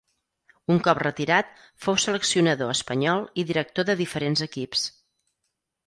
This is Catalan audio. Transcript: Un cop retirat, fou seleccionador espanyol i director de diferents equips.